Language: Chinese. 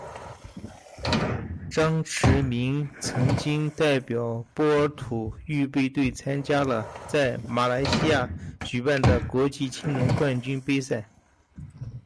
张池明曾经代表波尔图预备队参加了在马来西亚举办的国际青年冠军杯赛。